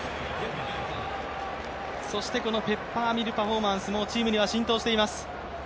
そしてこのペッパーミルパフォーマンスもチームに浸透しています。